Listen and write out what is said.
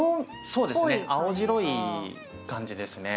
そうですね青白い感じですね。